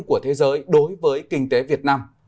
của thế giới đối với kinh tế việt nam